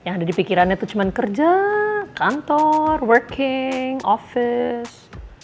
yang ada di pikirannya itu cuma kerja kantor working office